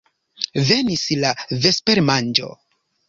Venis la vespermanĝo.